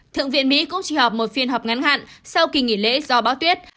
thượng viện mỹ cũng chỉ họp một phiên họp ngắn hạn sau kỳ nghỉ lễ do báo tuyết